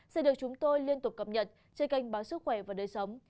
sẽ được chúng tôi liên tục cập nhật trên kênh báo sức khỏe và đời sống